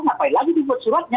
ngapain lagi dibuat suratnya